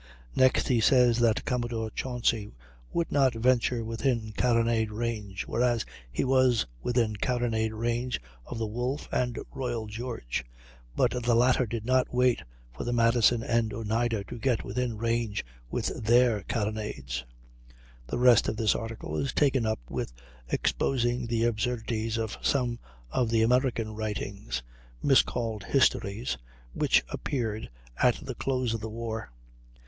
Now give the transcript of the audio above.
Next he says that "Commodore Chauncy would not venture within carronade range," whereas he was within carronade range of the Wolfe and Royal George, but the latter did not wait for the Madison and Oneida to get within range with their carronades. The rest of his article is taken up with exposing the absurdities of some of the American writings, miscalled histories, which appeared at the close of the war.